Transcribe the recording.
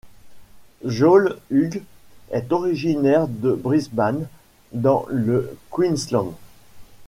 Jole Hughes est originaire de Brisbane, dans le Queensland.